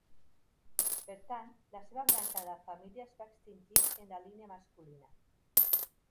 Per tant, la seva branca de la família es va extingir en la línia masculina.